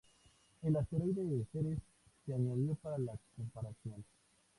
El asteroide Ceres se añadió para la comparación.